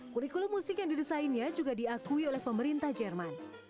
kurikulum musik yang didesainnya juga diakui oleh pemerintah jerman